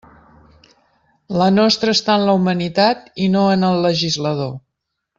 La nostra està en la humanitat, no en el legislador.